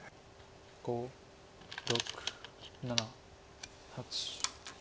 ５６７８。